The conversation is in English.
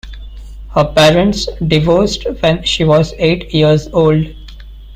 Her parents divorced when she was eight years old.